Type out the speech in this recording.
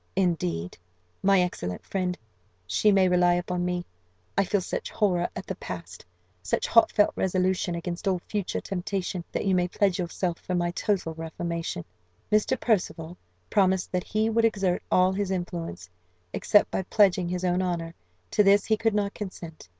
"Indeed, my excellent friend, she may rely upon me: I feel such horror at the past, such heartfelt resolution against all future temptation, that you may pledge yourself for my total reformation." Mr. Percival promised that he would exert all his influence, except by pledging his own honour; to this he could not consent.